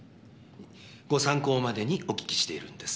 ご参考までにお聞きしているんです。